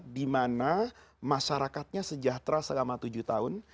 dimana masyarakatnya sejahtera selama tujuh tahun